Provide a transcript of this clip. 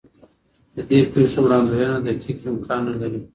د دې پېښو وړاندوینه دقیق امکان نه لري.